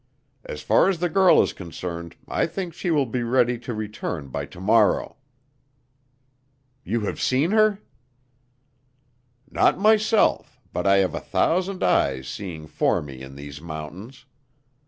As far as the girl is concerned I think she will be ready to return by to morrow." "You have seen her?" "Not myself, but I have a thousand eyes seeing for me in these mountains.